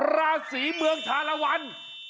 ราศีเมืองชาลวัน